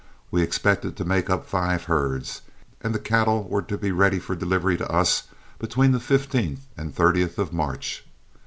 We expected to make up five herds, and the cattle were to be ready for delivery to us between the 15th and 30th of March.